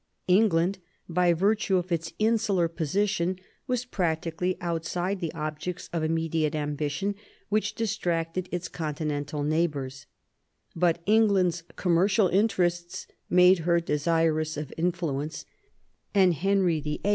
England, by virtue of its insular position, was practically outside the objects of immediate ambition which distracted its Con tinental neighbours ; but England's commercial interests made her desirous of influence, and Henry VIII.